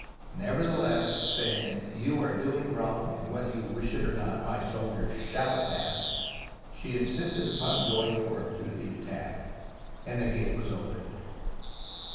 Neverthe less, saying, " You are doing wrong, and whether you wish it or not, my soldiers shall pass," she in sisted upon going forth to the attack, and the gate was opened.